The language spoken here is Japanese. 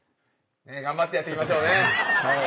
頑張ってやっていきましょうね。